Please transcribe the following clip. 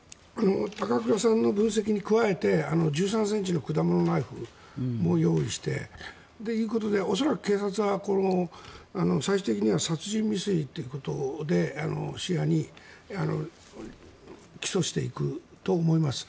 高倉さんの分析に加えて１３ｃｍの果物ナイフも用意してということで恐らく警察は、最終的には殺人未遂ということを視野に起訴していくと思います。